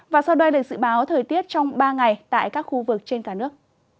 và sau đây là dự báo thời tiết trong ba ngày tại các khu vực trên cả nước